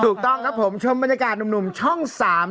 ถูกต้องครับผมชมบรรยากาศหนุ่มช่อง๓